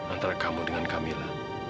antara kamu dengan kamila